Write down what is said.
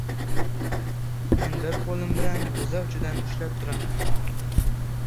Men bir qo‘lim bilai g‘o‘za uchidan ushlab turaman.